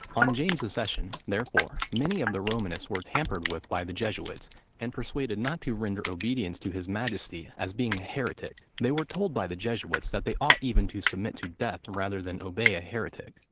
On James's accession, therefore, many of the Romanists were tampered with by the Jesuits, and persuaded not to render obedience to his majesty, as being a heretic. They were told by the Jesuits that they ought even to submit to death rather than obey a heretic.